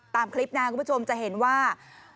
ตามคลิปนะคุณผู้ชมจะเห็นว่า